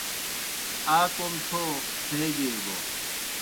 آ کوْم تھو تھیگیئی بوْ